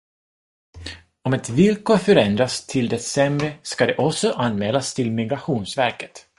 Om ett villkor förändras till det sämre ska det alltså anmälas till Migrationsverket.